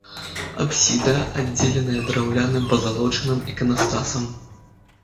Апсіда аддзеленая драўляным пазалочаным іканастасам.